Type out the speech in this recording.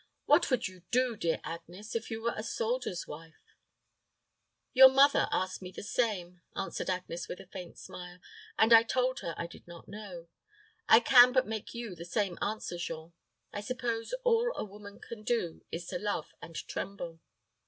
"What would you do, dear Agnes, if you were a soldier's wife?" "Your mother asked me the same," answered Agnes, with a faint smile, "and I told her I did not know. I can but make you the same answer, Jean. I suppose all a woman can do is to love and tremble."